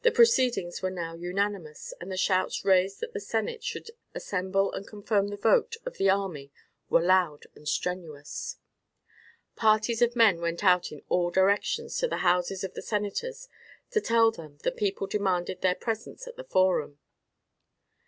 The proceedings were now unanimous, and the shouts raised that the senate should assemble and confirm the vote of the army were loud and strenuous. Parties of men went out in all directions to the houses of the senators to tell them the people demanded their presence at the forum.